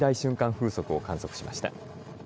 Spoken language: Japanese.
風速を観測しました。